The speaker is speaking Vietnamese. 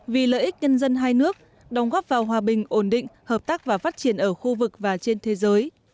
vì lợi ích nhân dân hai nước đóng góp vào hòa bình ổn định hợp tác và phát triển ở khu vực và trên thế giới